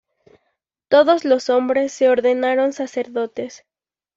Todos los hombres se ordenaron sacerdotes.